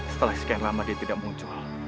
setelah sekian lama dia tidak muncul